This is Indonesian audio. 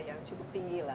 ini yang cukup tinggi lah